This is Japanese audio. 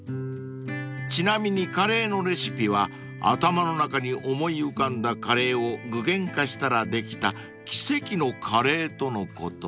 ［ちなみにカレーのレシピは頭の中に思い浮かんだカレーを具現化したらできた奇跡のカレーとのこと］